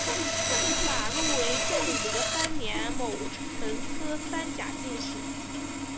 马录为正德三年戊辰科三甲进士。